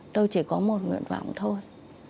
tôi chỉ có một nguyện vọng thôi